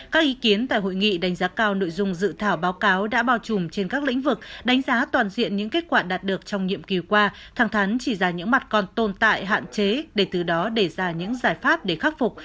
các ý kiến tại hội nghị đánh giá cao nội dung dự thảo báo cáo đã bao trùm trên các lĩnh vực đánh giá toàn diện những kết quả đạt được trong nhiệm kỳ qua thẳng thắn chỉ ra những mặt còn tồn tại hạn chế để từ đó để ra những giải pháp để khắc phục